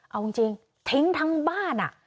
เอาจริงทิ้งทั้งบ้าน